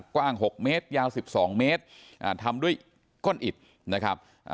กว้าง๖เมตรยาว๑๒เมตรทำด้วยก้อนอิดนะครับ